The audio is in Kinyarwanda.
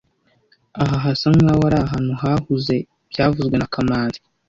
Aha hasa nkaho ari ahantu hahuze byavuzwe na kamanzi